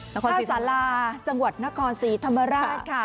ภาษาลาจังหวัดนครศรีธรรมราชค่ะ